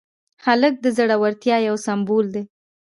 هلک د زړورتیا یو سمبول دی.